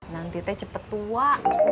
nanti teh cepet tua